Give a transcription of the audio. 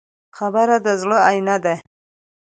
خبره د زړه آیینه ده.